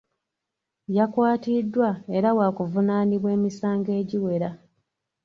Yakwatiddwa era waakuvunaanibwa emisango egiwera.